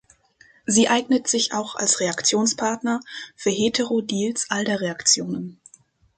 Sie eignet sich auch als Reaktionspartner für Hetero-Diels-Alder-Reaktionen.